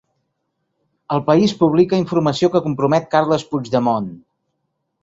El País publica informació que compromet Carles Puigdemont